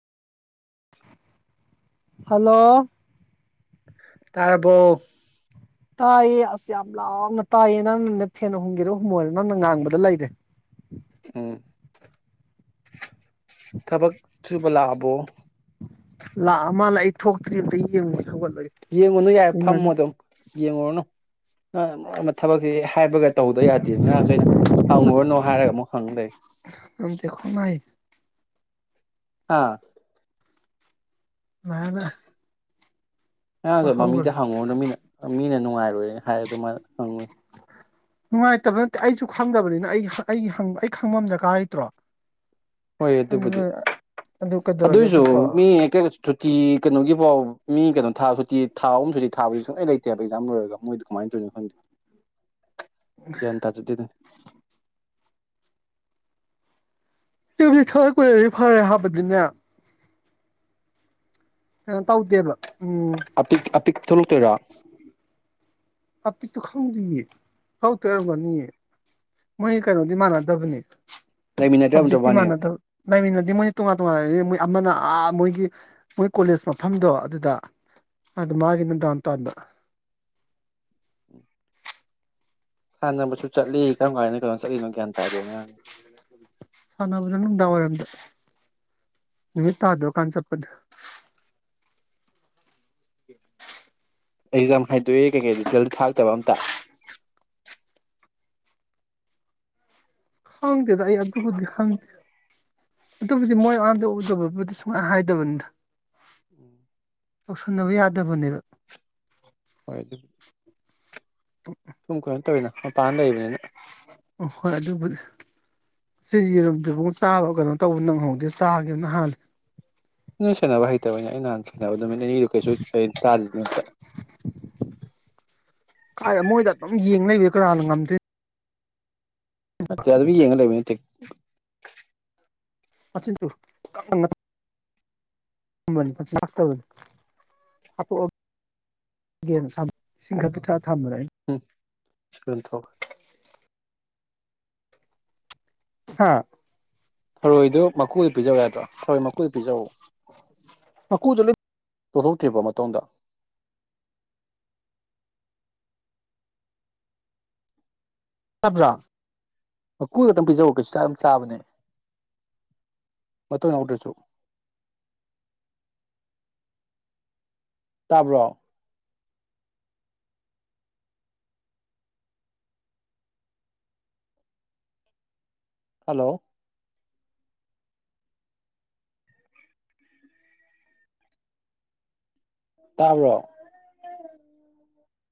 [inaudible] hello ꯇꯥꯔꯕꯣ ꯇꯥꯏꯌꯦ ꯑꯁ ꯌꯥꯝ ꯂꯥꯎꯅ ꯇꯥꯏꯌꯦ ꯅꯪꯅ ꯐꯦꯟ ꯍꯨꯝꯒꯤꯔꯣ ꯍꯨꯝꯃꯣꯏꯔꯣ ꯅꯪꯅ ꯉꯥꯡꯕꯗ ꯂꯩꯔꯦ ꯎꯝ ꯊꯕꯛ ꯁꯨꯕ ꯂꯥꯛꯑꯕꯣ ꯂꯥꯛꯑ ꯃꯥꯜꯂꯦ ꯑꯩ ꯊꯣꯛꯇ꯭ꯔꯤ ꯑꯝꯇ ꯌꯦꯡꯕꯉꯨꯒꯦ ꯍꯧꯒꯠꯂꯒꯦ ꯌꯦꯡꯉꯨꯅꯨ ꯌꯥꯏ ꯏꯃꯟ ꯐꯝꯃꯣ ꯑꯗꯨꯝ ꯌꯦꯡꯉꯨꯔꯅꯨ ꯅꯪꯅ ꯃꯔꯣꯟꯃ ꯊꯕꯛꯁꯦ ꯍꯥꯏꯕꯒ ꯇꯧꯗ ꯌꯥꯗꯦ ꯉꯔꯥꯡꯖꯨ ꯑꯩꯅ ꯍꯪꯉꯨꯔꯅꯨ ꯍꯥꯏꯔꯒ ꯑꯃꯨꯛ ꯍꯪ ꯂꯩ ꯔꯨꯝꯗꯦꯈꯣꯃꯥꯏ ꯍꯥꯥ ꯅꯥꯅꯥ [unintelligible] ꯑꯗꯨ ꯃꯃꯤꯗ ꯍꯪꯉꯨꯔꯅꯣ ꯃꯤꯅ ꯃꯤꯅ ꯅꯨꯡꯉꯥꯏꯔꯣꯏꯅ ꯍꯥꯏꯔꯦ ꯑꯗꯨ ꯃꯥꯅ ꯍꯪꯉꯨꯏ ꯅꯨꯡꯉꯥꯏꯇꯕ ꯅꯠꯇꯦ ꯑꯩꯖꯨ ꯈꯪꯗꯕꯅꯤꯅ ꯑꯩ ꯑꯩ ꯍꯪ ꯑꯩ ꯈꯪꯕ ꯑꯃ ꯗꯔꯀꯥꯔ ꯂꯩꯇ꯭ꯔꯣ ꯍꯣꯏ ꯑꯗꯨꯕꯨꯗꯤ ꯑꯗꯨꯅ ꯑꯗꯨ ꯀꯩꯗꯧꯔꯒꯦ ꯑꯗꯨꯏꯁꯨ ꯑꯗꯨꯕꯣ ꯃꯤ ꯍꯦꯛ ꯁꯨꯇꯤ ꯀꯩꯅꯣꯒꯤ ꯕꯥꯎ ꯃꯤ ꯀꯩꯅꯣ ꯊꯥ ꯍꯨꯇꯤ ꯊꯥ ꯑꯍꯨꯝ ꯁꯨꯇꯤ ꯊꯥꯕꯗꯤ ꯁꯨꯡꯂꯩ ꯂꯩꯇꯦ ꯍꯥꯏꯕ ꯑꯦꯛꯖꯥꯝ ꯂꯣꯏꯔꯒ ꯃꯣꯏꯗꯣ ꯀꯃꯥꯏꯅ ꯇꯧꯔꯤꯅꯣ [unintelligible] ꯒ꯭ꯌꯥꯟ ꯇꯥꯖꯗꯦꯗ [unintelligible] ꯐꯔꯦ ꯍꯥꯏꯕꯗꯤꯅꯦ ꯀꯩꯅꯣ ꯇꯧꯗꯦꯕ ꯎꯝ ꯑꯄꯤꯛ ꯑꯄꯤꯛ ꯊꯣꯛꯂꯛꯇꯣꯏꯔꯥ ꯑꯄꯤꯠꯇꯨ ꯈꯪꯗ꯭ꯔꯤꯌꯦ ꯍꯥꯎ ꯇꯔꯒꯅꯤꯌꯦ ꯃꯣꯏ ꯀꯩꯅꯣꯗꯤ ꯃꯥꯟꯅꯗꯕꯅꯤ ꯂꯩꯃꯤꯟꯅꯗ꯭ꯔꯕ ꯅꯠꯇ꯭ꯔꯕ ꯁꯞꯖꯦꯛꯇꯤ ꯋꯥꯅꯤ ꯃꯥꯟꯅꯗꯕ ꯂꯩꯃꯤꯟꯅꯗꯤ ꯃꯣꯏꯅ ꯇꯣꯉꯥꯟ ꯇꯣꯉꯥꯟꯅ ꯂꯩꯅꯤ ꯃꯣꯏ ꯑꯃꯅ ꯃꯣꯏꯒꯤ ꯃꯣꯏ ꯀꯣꯂꯦꯖ ꯃꯐꯝꯗꯣ ꯑꯗꯨꯗ ꯑꯗꯨ ꯃꯥꯒꯤꯅꯗ ꯑꯇꯗ ꯁꯥꯟꯅꯅꯕꯁꯨ ꯆꯠꯂꯤ ꯀꯔꯝ ꯀꯥꯏꯅ ꯀꯩꯅꯣ ꯆꯠꯂꯤꯅꯣ ꯒ꯭ꯌꯥꯟ ꯇꯥꯗꯦ ꯑꯉꯥꯡ ꯁꯥꯟꯅꯕꯗ ꯅꯨꯡꯗꯥꯡ ꯋꯥꯏꯔꯝꯗ ꯅꯨꯃꯤꯠ ꯇꯥꯗꯔꯀꯥꯟ ꯆꯠꯄꯗ ꯑꯦꯛꯖꯥꯝ ꯍꯥꯏꯗꯣꯛꯑꯦ ꯀꯩꯀꯩ ꯔꯤꯖꯜ ꯊꯥꯛꯇꯕ ꯑꯝꯇꯥ ꯈꯪꯗ‌ꯦꯗ ꯑꯩ ꯑꯗꯨꯕꯨ ꯗꯤ ꯍꯪꯗ‌ꯦ ꯑꯗꯨꯕꯨꯗꯤ ꯃꯣꯏ ꯑꯥꯗ ꯎꯗꯕꯕꯨꯗꯤ ꯁꯨꯡꯍꯥꯏ ꯍꯥꯏꯗꯕꯅꯤꯗꯥ [inaudible] ꯇꯧꯁꯟꯅꯕ ꯌꯥꯗꯕꯅꯦꯕ ꯍꯣꯏ ꯑꯗꯨ [inaudible] ꯁꯨꯝ ꯀꯩꯅ‌ꯣ ꯇꯧꯏꯅ ꯄꯥꯟ ꯂꯩꯕꯅꯤꯅ ꯎꯐ ꯍꯣꯏ ꯑꯗꯨꯕꯨꯗꯤ ꯁꯤꯒꯤ ꯌꯦꯔꯨꯝꯗꯨꯕꯨ ꯆꯥꯕ ꯀꯩꯅꯣ ꯇꯧꯕ ꯅꯪꯍꯧꯗꯦ ꯆꯥꯒꯦ ꯅꯍꯥꯟ ꯅ‌ꯣꯏ ꯁꯦꯟꯅꯕ ꯍꯩꯇꯕꯩꯅ‌ꯦ ꯑꯩ ꯅꯍꯥꯟ ꯁꯦꯟꯅꯕ ꯅꯨꯃꯤꯠꯅꯤꯅꯤꯗꯨ ꯀꯩꯁꯨ ꯊ‌ꯣꯏ ꯆꯥꯗꯝ ꯅ‌ꯦ ꯍ‌ꯦꯛꯇꯥ [inaudible] ꯀꯥꯏꯗꯥ ꯃꯣꯏꯗ ꯑꯗꯨꯝ ꯌꯦꯡ ꯂꯩꯕ ꯗꯤ ꯀꯅꯥꯅ ꯉꯝꯗꯣꯏ ꯅꯠꯇ‌ꯦ ꯑ‌ꯥꯜꯚꯤ ꯌꯦꯡꯉ ꯂꯩꯕ ꯅꯠꯇ‌ꯦ [unintelligible] [unintelligible] ꯍꯥꯄꯛꯑ‌ꯣ ꯒ‌ꯦꯃ ꯁꯅꯥ ꯏꯁꯤꯡ ꯈꯔ ꯄꯤꯊꯛꯑꯥ ꯊꯝꯕꯅ‌ꯦ ꯑꯩ ꯎꯝ ꯁꯤ ꯂ‌‌ꯣꯏ ꯊꯛꯑ‌ꯣ ꯍꯥ ꯊꯔꯣꯏꯗꯣ ꯃꯀꯨꯗꯤ ꯄꯤꯖꯕ ꯌꯥꯗ꯭ꯔꯣ ꯊꯔꯣꯏ ꯃꯀꯨꯗ‌ꯣ ꯄꯤꯖꯋ‌‌ꯣ ꯃꯀꯨꯗꯣ ꯂꯣꯏ ꯀ‌ꯣꯊ‌ꯣꯛꯇ꯭ꯔꯤꯕ‌ꯣ ꯃꯇ‌ꯣꯡꯗ‌ꯣ [unintelligible] ꯃꯀꯨ ꯈꯇꯪ ꯄꯤꯖꯧꯑ‌ꯣ ꯀꯩꯁꯨ ꯆꯥꯛ ꯌꯥꯝ ꯆꯥꯕꯅꯦ ꯃꯇ‌ꯣꯡ ꯌꯥꯎꯗ꯭ꯔꯁꯨ ꯇꯥꯕ꯭ꯔꯣ ꯍꯜꯂꯣ ꯇꯥꯕ꯭ꯔꯣ